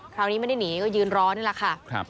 คราวนี้ไม่ได้หนีก็ยืนรอนี่แหละค่ะ